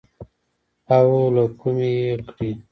او له کومه يې کړې.